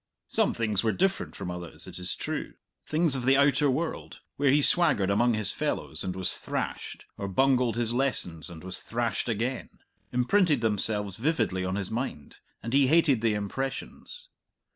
Some things were different from others, it is true. Things of the outer world, where he swaggered among his fellows and was thrashed, or bungled his lessons and was thrashed again, imprinted themselves vividly on his mind, and he hated the impressions.